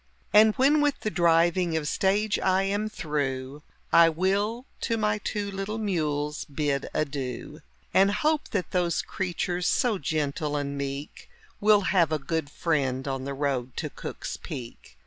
And when with the driving of stage I am through I will to my two little mules bid adieu. And hope that those creatures, so gentle and meek, Will have a good friend on the road to Cook's Peak.